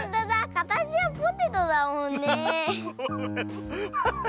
かたちはポテトだもんねえ。